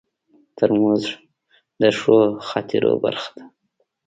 ترموز د ښو خاطرو برخه ده.